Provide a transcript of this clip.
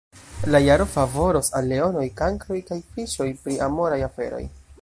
La jaro favoros al Leonoj, Kankroj kaj Fiŝoj pri amoraj aferoj.